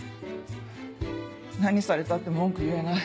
何されたって文句言えない。